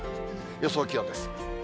予想気温です。